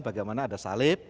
bagaimana ada salib